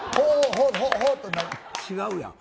違うやん。